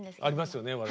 ありますよね